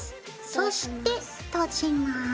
そして閉じます。